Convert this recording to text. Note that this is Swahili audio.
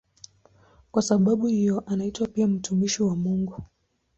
Kwa sababu hiyo anaitwa pia "mtumishi wa Mungu".